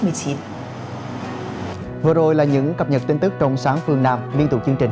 vừa rồi là những cập nhật tin tức trong sáng phương nam liên tục chương trình